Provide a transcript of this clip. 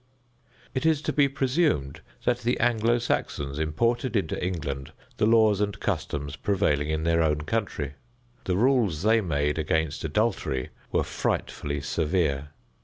It is to be presumed that the Anglo Saxons imported into England the laws and customs prevailing in their own country. The rules they made against adultery were frightfully severe.